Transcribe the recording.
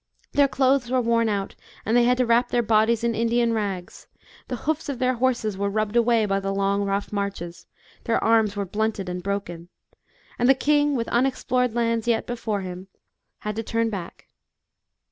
Their clothes were worn out, and they had to wrap their bodies in Indian rags ; the hoofs of their horses were rubbed away by the long rough marches; their arms were blunted and broken. And the king, with unexplored lands yet before him, had to turn back.